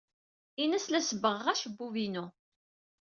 Ini-as la sebbɣeɣ acebbub-inu.